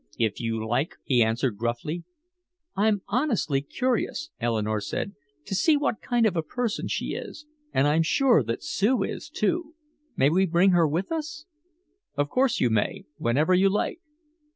"If you like," he answered gruffly. "I'm honestly curious," Eleanore said, "to see what kind of a person she is. And I'm sure that Sue is, too. May we bring her with us?" "Of course you may whenever you like."